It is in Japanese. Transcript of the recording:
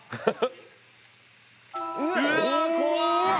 うわ怖っ！